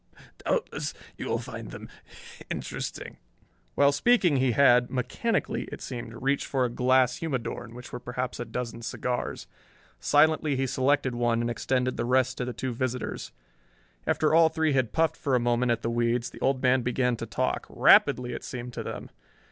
Doubtless you will find them interesting." While speaking he had, mechanically it seemed, reached for a glass humidor in which were perhaps a dozen cigars. Silently he selected one and extended the rest to the two visitors. After all three had puffed for a moment at the weeds, the old man began to talk, rapidly it seemed to them.